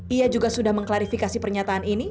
ia juga sudah mengklarifikasi pernyataan ini